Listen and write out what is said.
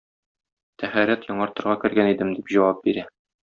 Тәһарәт яңартырга кергән идем, - дип җавап бирә.